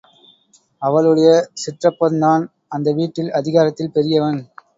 அவளுடைய சிற்றப்பன்தான் அந்த வீட்டில் அதிகாரத்தில் பெரியவன்.